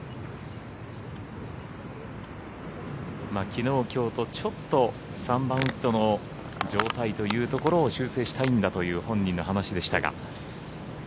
きのう、きょうとちょっと３番ウッドの状態というところを修正したいんだという本人の話でしたが。